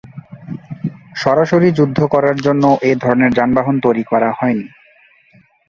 সরাসরি যুদ্ধ করার জন্য এ ধরনের যানবাহন তৈরি করা হয়নি।